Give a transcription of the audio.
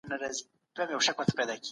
ولي تاسي دغه کوچنی په خپلي خوني کي نه ساتئ؟